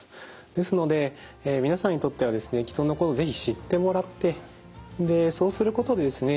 ですので皆さんにとってはですね吃音のこと是非知ってもらってでそうすることでですね